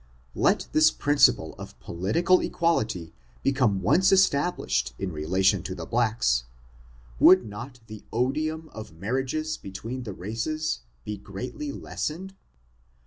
Let this principle of political equality be come once established in relation to the blacks, would not the odium of marriages between the races be greatly lessened